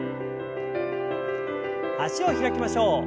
脚を開きましょう。